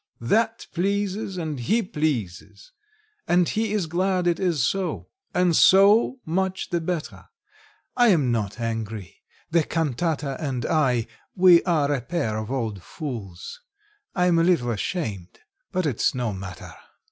That pleases, and he pleases, and he is glad it is so and so much the better. I'm not angry; the cantata and I we are a pair of old fools; I'm a little ashamed, but it's no matter."